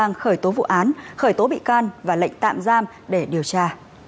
đang khởi tố vụ án khởi tố bị can và lệnh tạm giam để điều tra